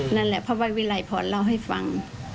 นั่นแหละเพราะว่าวิไลพรเล่าให้ฟัง